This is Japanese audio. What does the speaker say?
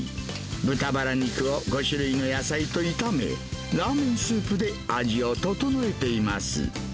豚バラ肉を５種類の野菜と炒め、ラーメンスープで味をととのえています。